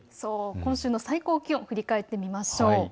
今週の最高気温、振り返ってみましょう。